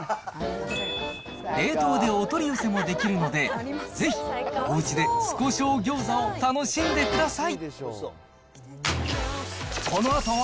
冷凍でお取り寄せもできるので、ぜひおうちで酢こしょうギョーザを楽しんでください。